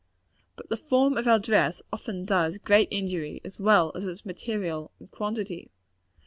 But the form of our dress often does injury; as well as its material and quantity.